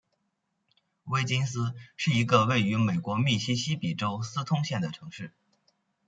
威金斯是一个位于美国密西西比州斯通县的城市。